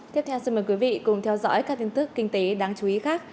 tiếp theo xin mời quý vị cùng theo dõi các tin tức kinh tế đáng chú ý khác